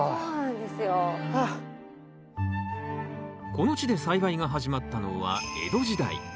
この地で栽培が始まったのは江戸時代。